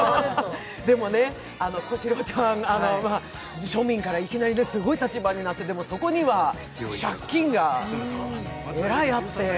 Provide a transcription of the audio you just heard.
でもね、小四郎ちゃん、庶民からいきなりすごい立場になってて、でもそこには借金がえらいなって。